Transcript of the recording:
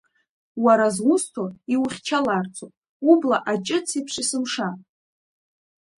Уара зусҭо-иухьчаларцоуп, убла аҷыц еиԥш есымша.